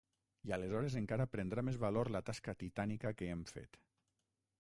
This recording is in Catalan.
I aleshores encara prendrà més valor la tasca titànica que hem fet.